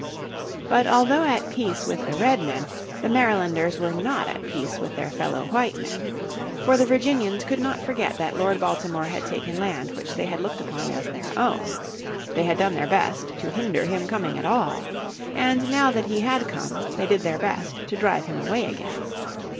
But although at peace with the Redmen the Marylanders were not at peace with their fellow white men. For the Virginians could not forget that Lord Baltimore had taken land which they had looked upon as their own. They had done their best to hinder him coming at all. And now that he had come they did their best to drive him away again.